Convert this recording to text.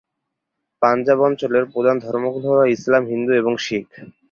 পাঞ্জাব অঞ্চলের প্রধান ধর্মগুলি হল ইসলাম, হিন্দু, এবং শিখ।